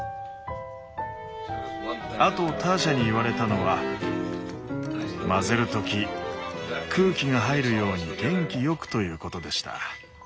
あとターシャに言われたのは混ぜるとき空気が入るように元気よくということでした。